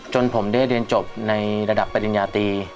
จนผมได้เรียนจบในระดับปริญญาตรี